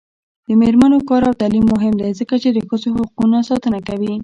د میرمنو کار او تعلیم مهم دی ځکه چې ښځو حقونو ساتنه ده.